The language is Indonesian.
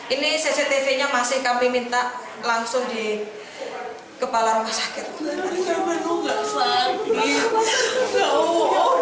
ini cctv nya masih kami minta langsung di kepala rumah sakit